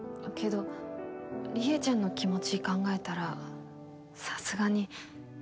けどりえちゃんの気持ち考えたらさすがに。